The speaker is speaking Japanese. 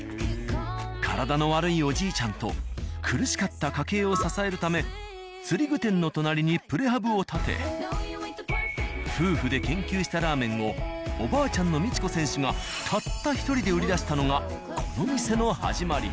体の悪いおじいちゃんと苦しかった家計を支えるため釣り具店の隣にプレハブを建て夫婦で研究したラーメンをおばあちゃんの美智子選手がたった１人で売り出したのがこの店の始まり。